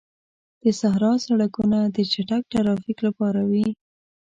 د صحرا سړکونه د چټک ترافیک لپاره وي.